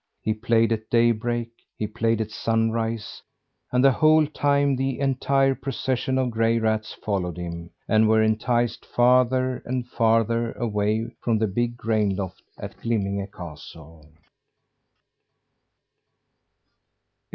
He played at daybreak; he played at sunrise; and the whole time the entire procession of gray rats followed him, and were enticed farther and farther away from the big grain loft at Glimminge castle.